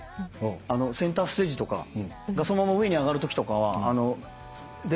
センターステージとかがそのまま上に上がるときとかは拾えないので。